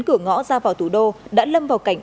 cửa ngõ ra vào thủ đô đã lâm vào cảnh